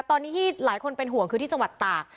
ตอนนี้ที่หลายคนเป็นห่วงคือที่จังหวัดตาก